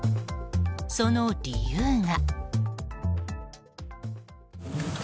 その理由が。